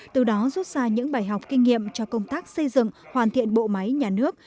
từ đó rút ra những bài học kinh nghiệm cho công tác xây dựng hoàn thiện bộ máy nhà nước